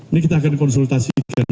ini kita akan konsultasikan